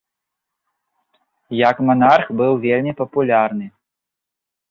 Як манарх быў вельмі папулярны.